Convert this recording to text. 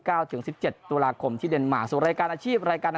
ถึงสิบเจ็ดตุลาคมที่เดนมาสู่รายการอาชีพรายการ